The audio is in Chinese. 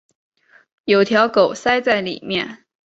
有条狗塞在里面